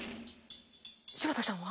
柴田さんは？